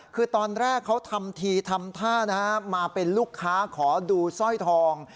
คือตอนแรกเขาทำทีทำท่ามาเป็นลูกค้าขอดูสร้อยทอง